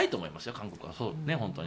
韓国は。